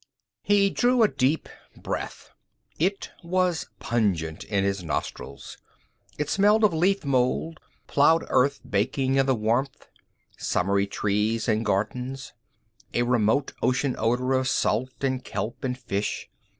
He drew a deep breath. It was pungent in his nostrils. It smelled of leaf mould, plowed earth baking in the warmth, summery trees and gardens, a remote ocean odor of salt and kelp and fish.